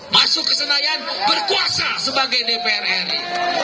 masuk ke senayan berkuasa sebagai dpr ri